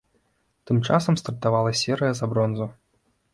Тым часам стартавала серыя за бронзу.